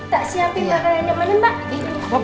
tak siapin bakalan nyamanin mbak